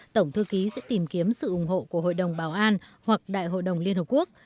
tổng thư ký sẽ tìm kiếm sự ủng hộ của hội đồng bảo an hoặc đại hội đồng liên hợp quốc